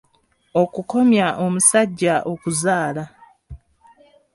Okukomya omusajja okuzaala.